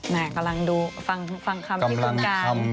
น่ะกำลังดูฟังคำที่คุณการ